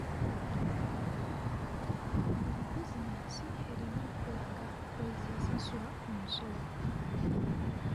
Buli bizinensi erina okulaga bw'ezze esasula omusolo.